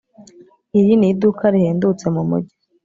iri ni iduka rihendutse mumujyi